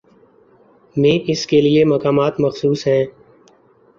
میں اس کے لیے مقامات مخصوص ہیں۔